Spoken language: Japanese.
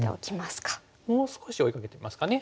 もう少し追いかけてみますかね。